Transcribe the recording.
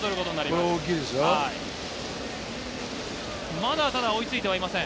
まだでも追いついてはいません。